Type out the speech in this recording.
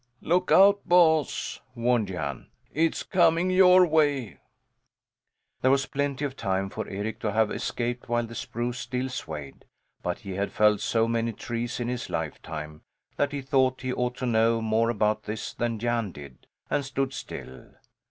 "Look out, Boss!" warned Jan. "It's coming your way." There was plenty of time for Eric to have escaped while the spruce still swayed; but he had felled so many trees in his lifetime that he thought he ought to know more about this than Jan did, and stood still.